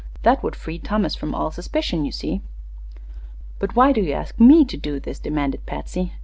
That would free Thomas from all suspicion, you see." "But why do you ask me to do this?" demanded Patsy.